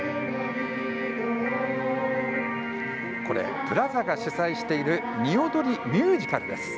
プラザが主催しているにおどりミュージカルです。